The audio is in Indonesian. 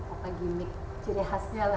apa gimmick ciri khasnya lah